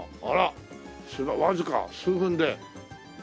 あらわずか数分で。